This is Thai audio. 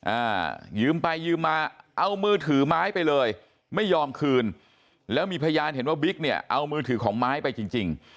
อ่ายืมไปยืมมาเอามือถือไม้ไปเลยไม่ยอมคืนแล้วมีพยานเห็นว่าบิ๊กเนี่ยเอามือถือของไม้ไปจริงจริง